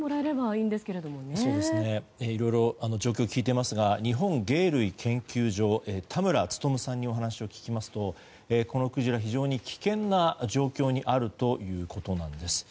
いろいろ状況を聞いていますが日本鯨類研究所の田村力さんにお話を聞きますとこのクジラ、非常に危険な状況にあるということなんです。